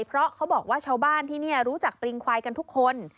เพราะเขาบอกว่าชาวบ้านที่นี่รู้จักปริงควายกันทุกคน